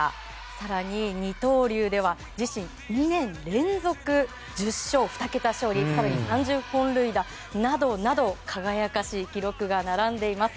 更に、二刀流では自身２年連続１０勝、２桁勝利更に３０本塁打などなど輝かしい記録が並んでいます。